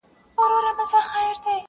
ګټه نسي کړلای دا دي بهانه ده,